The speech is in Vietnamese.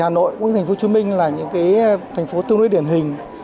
hà nội cũng như thành phố hồ chí minh là những cái thành phố tương đối điển hình